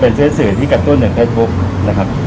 เป็นซื้อสื่อที่กระตุ้นในเว็บบุ๊คนะครับ